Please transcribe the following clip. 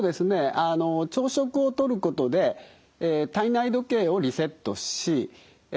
あの朝食をとることで体内時計をリセットしえ